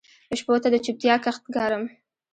شپو ته د چوپتیا کښت کرم